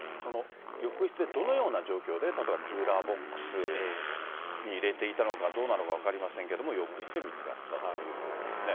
浴室でどのような状況で例えばクーラーボックスに入れていたのかどうなのか分かりませんけれども、浴室で見つかったということですね。